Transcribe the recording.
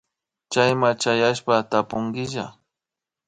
Chayman chayashpa tapunkilla